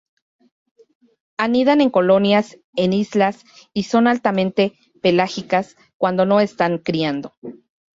Anidan en colonias en islas y son altamente pelágicas cuando no están criando.